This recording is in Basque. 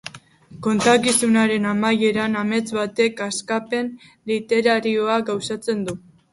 Kontakizunaren amaieran, amets batek askapen literarioa gauzatzen du.